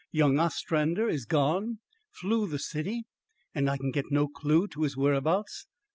Young Ostrander is gone flew the city, and I can get no clew to his whereabouts.